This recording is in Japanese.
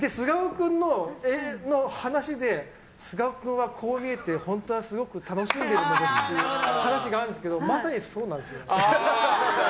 君の話でこう見えて本当はすごく楽しんでるのですっていう話があるんですけどまさにそうなんですよ。